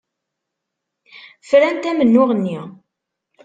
Frant amennuɣ-nni.